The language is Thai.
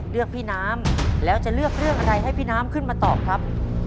เลือกพี่น้ำแล้วจะเลือกเรื่องอะไรให้พี่น้ำขึ้นมาตอบครับ